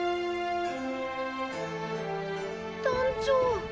団長。